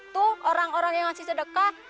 tuh orang orang yang masih sedekah